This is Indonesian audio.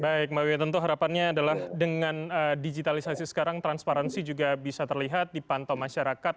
baik mbak wiya tentu harapannya adalah dengan digitalisasi sekarang transparansi juga bisa terlihat dipantau masyarakat